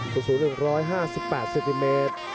สูตรสูตร๑๕๘สิมิเมตร